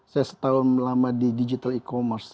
saya setahun lama di digital e commerce